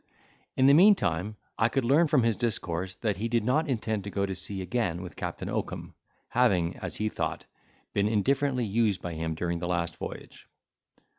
In the meantime, I could learn from his discourse that he did not intend to go to sea again with Captain Oakum, having, as he thought, been indifferently used by him during the last voyage.